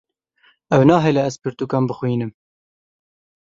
Ew nahêle ez pirtûkan bixwînim.